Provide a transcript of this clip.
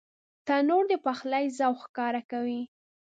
تنور د پخلي ذوق ښکاره کوي